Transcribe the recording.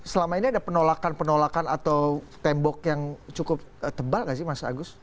selama ini ada penolakan penolakan atau tembok yang cukup tebal gak sih mas agus